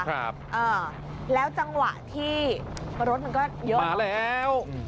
ครับอ่าแล้วจังหวะที่รถมันก็เยอะมาแล้ว